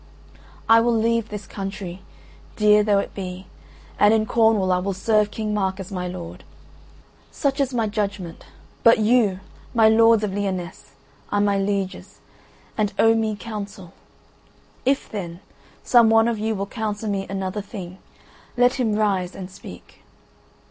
I will leave this country, dear though it be, and in Cornwall I will serve King Mark as my lord. Such is my judgment, but you, my lords of Lyonesse, are my lieges, and owe me counsel; if then, some one of you will counsel me another thing let him rise and speak."